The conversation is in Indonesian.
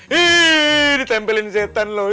hei ditempelin setan loh